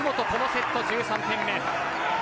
このセット１３点目。